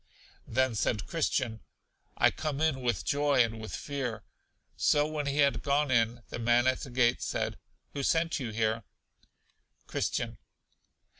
Then said Christian: I come in with joy and with fear. So when he had gone in, the man at the gate said: Who sent you here? Christian.